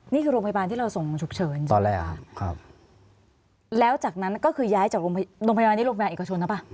นี่คือโรงพยาบาลที่เราส่งฉุกเฉินตอนแรกครับแล้วจากนั้นก็คือย้ายจากโรงพยาบาลนี้โรงพยาบาลเอกชนหรือเปล่า